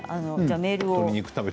メールを。